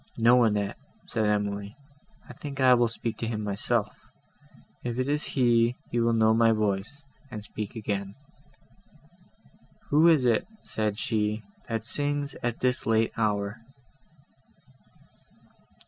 "No, Annette," said Emily, "I think I will speak myself; if it is he, he will know my voice, and speak again." "Who is it," said she, "that sings at this late hour?"